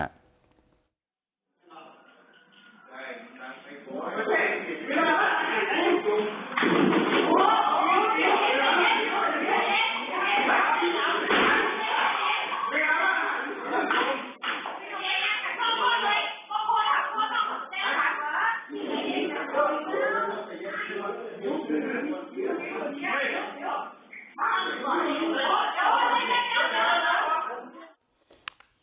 ครับ